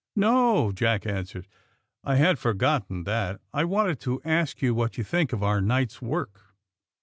*^No," Jack answered. *'I had forgotten that. I wanted to ask you what you think of our night's work."